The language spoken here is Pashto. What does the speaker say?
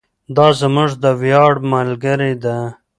دا زموږ د ویاړ ملګرې ده.